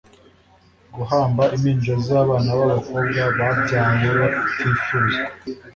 guhamba impinja z’abana b’abakobwa babyawe batifuzwa,